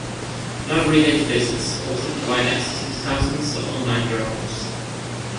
Library databases also provide access to thousands of online journals.